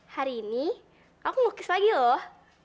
hari ini aku melukis lagi loh